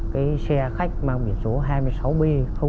cái xe khách mang biển số hai mươi sáu b hai trăm bốn mươi ba